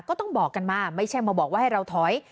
ก็ต้องบอกกันมาไม่ใช่มาบอกว่าให้เราถอย